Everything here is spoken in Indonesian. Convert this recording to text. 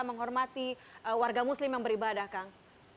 menghormati warga muslim yang beribadah kang